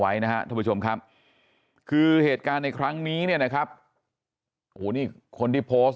ไว้นะทุกผู้ชมครับคือเหตุการณ์ในครั้งนี้นะครับคนที่โพสต์